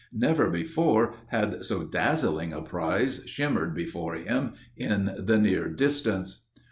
Never before had so dazzling a prize shimmered before him in the near distance.